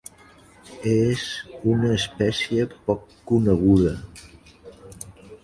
És una espècie poc coneguda.